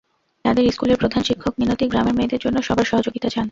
তাদের স্কুলের প্রধান শিক্ষক মিনতি গ্রামের মেয়েদের জন্য সবার সহযোগিতা চান।